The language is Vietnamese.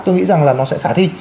tôi nghĩ rằng là nó sẽ khả thi